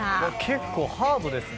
結構ハードですね。